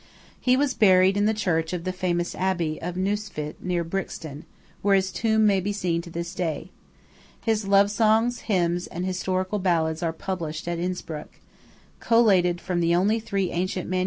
He was buried in the church of the famous Abbey of Neustift near Brixen, where his tomb may be seen to this day. His love songs, hymns, and historical ballads are published at Innspruck, collated from the only three ancient MS.